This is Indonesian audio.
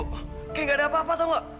kayak gak ada apa apa tau gak